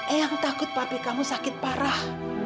eang takut papi kamu sakit parah